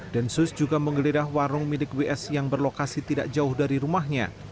densus juga menggeledah warung milik ws yang berlokasi tidak jauh dari rumahnya